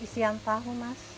isian tahu mas